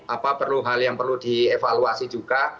apa hal yang perlu dievaluasi juga